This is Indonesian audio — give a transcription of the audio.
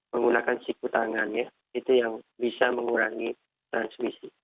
menggunakan siku tangan ya itu yang bisa mengurangi transmisi